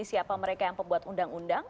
siapa mereka yang pembuat undang undang